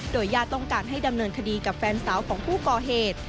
ญาติต้องการให้ดำเนินคดีกับแฟนสาวของผู้ก่อเหตุ